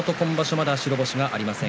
まだ白星がありません。